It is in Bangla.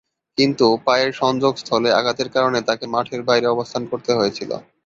কিন্তু, পায়ের সংযোগস্থলে আঘাতের কারণে তাকে মাঠের বাইরে অবস্থান করতে হয়েছিল।